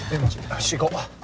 よし行こう！